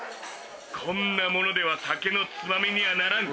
こんなものでは酒のつまみにはならん！